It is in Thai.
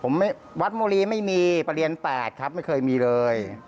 ผมวัดบุรีไม่มีประเรียน๘ครับไม่เคยมีเลย